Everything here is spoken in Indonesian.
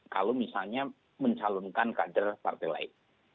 kalau misalnya mencalonkan kader partai lain